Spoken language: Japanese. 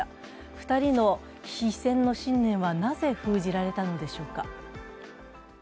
２人の非戦の信念は、なぜ封じられたのでしょうか。